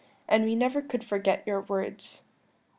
And we never could forget your words.